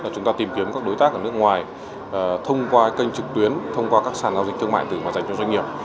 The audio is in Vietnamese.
chúng ta tìm kiếm các đối tác ở nước ngoài thông qua kênh trực tuyến thông qua các sàn giao dịch thương mại dành cho doanh nghiệp